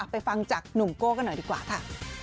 ฟังจากหนุ่มโก้กันหน่อยดีกว่าค่ะ